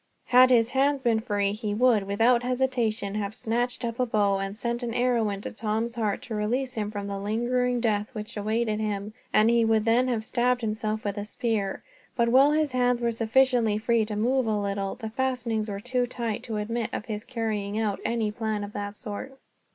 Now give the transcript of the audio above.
Had his hands been free he would, without hesitation, have snatched up a bow and sent an arrow into Tom's heart, to release him from the lingering death which awaited him; and he would then have stabbed himself with a spear. But while his hands were sufficiently free to move a little, the fastenings were too tight to admit of his carrying out any plan of that sort.